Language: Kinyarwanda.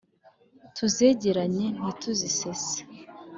Tuzegeranye ntituzisese